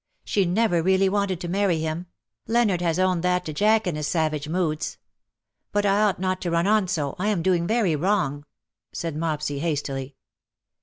She never really wanted to marry him — Leonard has owned that to Jack in his savage moods. But I ought not to run on so — I am doing very wrong" — said Mopsy, hastily.